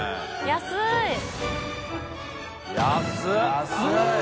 安い。